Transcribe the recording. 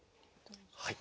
はい。